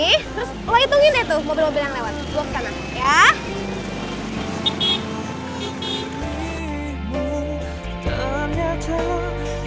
terus lo hitungin deh tuh mobil mobil yang lewat